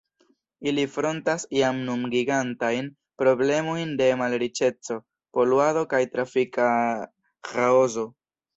Ili frontas jam nun gigantajn problemojn de malriĉeco, poluado kaj trafika ĥaoso.